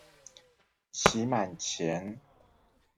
期滿前